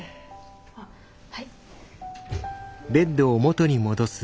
あっはい。